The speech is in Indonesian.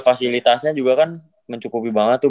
fasilitasnya juga kan mencukupi banget tuh